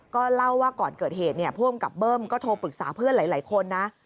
ก็เล่าว่าก่อนเกิดเหตุผู้อำกับเบิ้มก็โทรปรึกษาเพื่อนหลายคนนะ